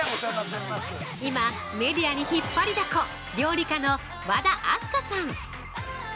◆今、メディアに引っ張りだこ料理家の和田明日香さん。